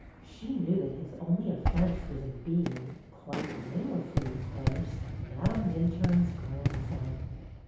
She knew that his only offence was in being (quite blamelessly, of course !) Madame Minturne's grandson.